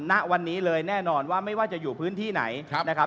ณวันนี้เลยแน่นอนว่าไม่ว่าจะอยู่พื้นที่ไหนนะครับ